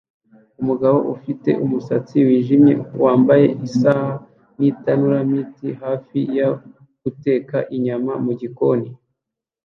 Umugabo ufite umusatsi wijimye wambaye isaha nitanura mitt hafi yo guteka inyama mugikoni